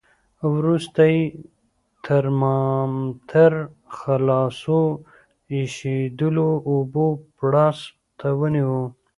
وروسته یې ترمامتر خالصو ایشېدلو اوبو بړاس ته ونیو.